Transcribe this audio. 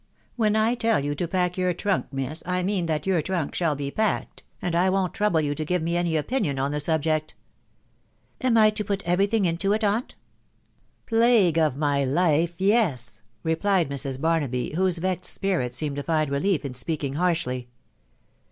" When I tell you to pack >jouc tnutk* Tcosa, tmean thai THE WIDOW BARNABY. $$$ fc .your trunk shall be packed, and I wo'n't trouble you to give I me any opinion on the subject." ^ t " Am I to put every thing into it, aunt ?" B S€ Plague of my life, yes !" replied Mrs. Barnaby, whose a vexed spirit seemed to find relief in speaking harshly.